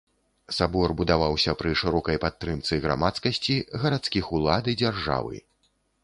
Сабор будаваўся пры шырокай падтрымцы грамадскасці, гарадскіх улад і дзяржавы.